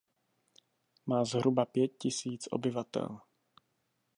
Má zhruba pět tisíc obyvatel.